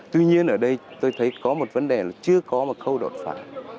tuy nhiên ở đây tôi thấy có một vấn đề là chưa có một khâu đột phá